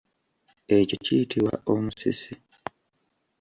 Ekyo kiyitibwa omusisi.